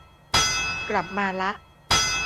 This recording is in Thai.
กลับมาละ